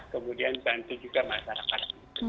kemudian bantu juga masyarakat